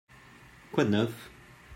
Quoi de neuf ?